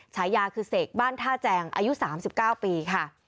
ฉายาคือเสกบ้านท่าแจงอายุ๓๙ปีค่ะ